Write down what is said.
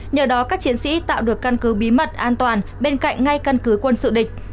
nhờ đó các chiến sĩ tạo được căn cứ bí mật an toàn bên cạnh ngay căn cứ quân sự địch